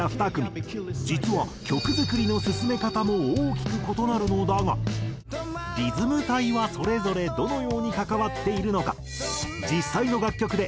実は曲作りの進め方も大きく異なるのだがリズム隊はそれぞれどのように関わっているのか？